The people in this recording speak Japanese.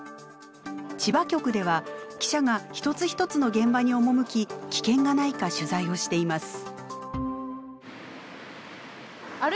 千葉局では記者が一つ一つの現場に赴き危険がないか取材をしています。